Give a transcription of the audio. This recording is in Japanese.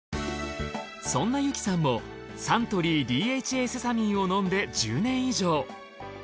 そんな由紀さんもサントリーＤＨＡセサミンを飲んで１０年以上。